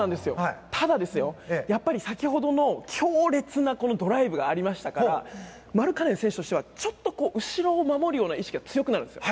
ただ、やっぱり先ほどの強烈なドライブがありましたからマルカネン選手としては後ろを守るような意識が強くなるんですよ。